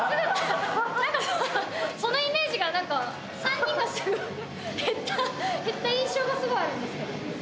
そのイメージが、３人が減った印象がすごくあるんですよ。